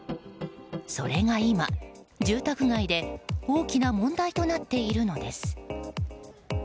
それが今、住宅街で大きな問題となっているのです。